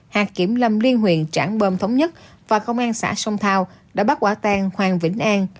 hạt kiểm lâm liên huyện trảng bơm thống nhất và công an xã sông thao đã bắt quả tang hoàng vĩnh an